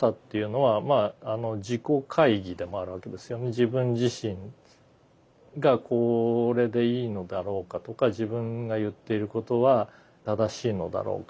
自分自身がこれでいいのだろうかとか自分が言っていることは正しいのだろうか。